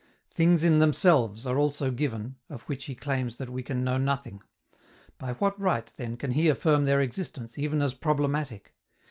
"Things in themselves" are also given, of which he claims that we can know nothing: by what right, then, can he affirm their existence, even as "problematic"?